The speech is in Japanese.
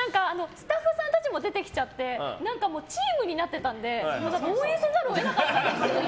スタッフさんたちも出てきちゃってチームになってたので応援せざるを得なかったです。